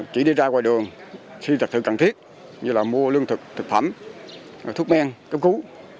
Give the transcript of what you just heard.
chỉ đi ra ngoài đường khi thật sự cần thiết như là mua lương thực thực phẩm thuốc men cấp cứu